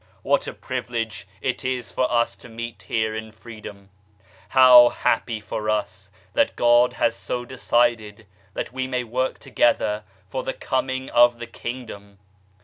What a privilege it is for us to meet here in freedom. How happy for us that God has so decided that we may work together for the coming of the Kingdom